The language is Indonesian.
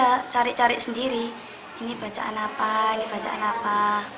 ya cari cari sendiri ini bacaan apa ini bacaan apa